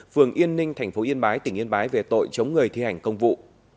phường yên ninh tp yên bái tỉnh yên bái về tội chống người thi hành công vụ